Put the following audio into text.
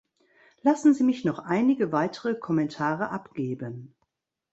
Lassen Sie mich noch einige weitere Kommentare abgeben.